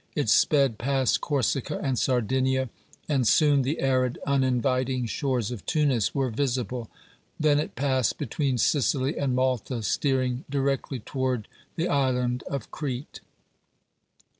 It sped past Corsica and Sardinia, and soon the arid, uninviting shores of Tunis were visible; then it passed between Sicily and Malta, steering directly toward the Island of Crete.